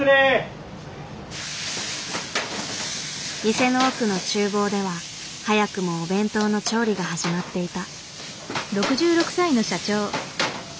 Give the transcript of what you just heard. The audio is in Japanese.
店の奥の厨房では早くもお弁当の調理が始まっていた。